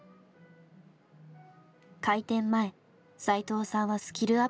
開店前斎藤さんはスキルアップに励みます。